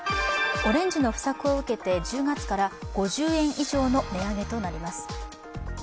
オレンジの不作を受けて１０月から５０円以上の値上げとなります。